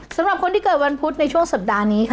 สำหรับคนที่เกิดวันพุธในช่วงสัปดาห์นี้ค่ะ